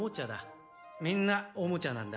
「みんなおもちゃなんだ」